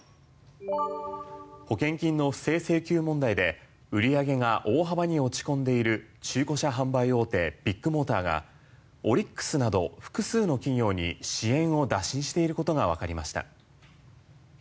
保険金の不正請求問題で売り上げが大幅に落ち込んでいる中古車販売大手ビッグモーターがオリックスなど複数の企業に支援を打診していることがわかりました。